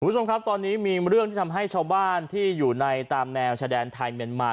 คุณผู้ชมครับตอนนี้มีเรื่องที่ทำให้ชาวบ้านที่อยู่ในตามแนวชายแดนไทยเมียนมา